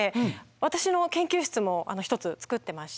私の研究室も１つ作ってまして。